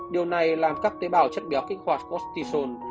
điều này làm các tế bào chất béo kích hoạt posticol